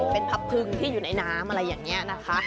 อ๋อเป็นพับพึ่งที่อยู่ในน้ำอะไรแบบนี้นะคะ